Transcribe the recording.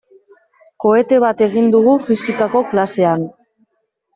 Kohete bat egin dugu fisikako klasean.